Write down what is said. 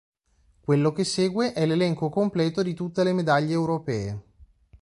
Quello che segue è l'elenco completo di tutte le medaglie europee.